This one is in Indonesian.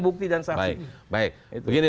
bukti dan saksi baik begini